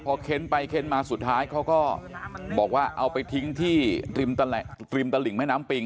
พอเค้นไปเค้นมาสุดท้ายเขาก็บอกว่าเอาไปทิ้งที่ริมตลิ่งแม่น้ำปิง